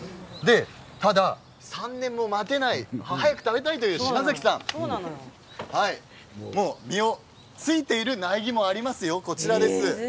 ただ、３年も待てない早く食べたい！という島崎さん実がついている苗木がありますよ。